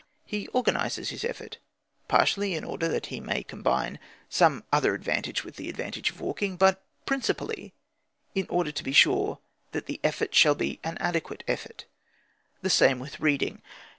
He organises his effort, partly in order that he may combine some other advantage with the advantage of walking, but principally in order to be sure that the effort shall be an adequate effort. The same with reading.